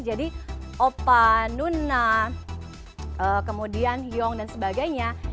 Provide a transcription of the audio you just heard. jadi oppa nuna kemudian hyong dan sebagainya